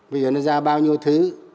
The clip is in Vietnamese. bây giờ nó ra bao nhiêu thứ